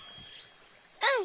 うん！